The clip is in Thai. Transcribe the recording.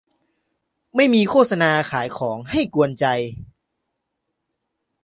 ไม่มีโฆษณาขายของให้กวนใจ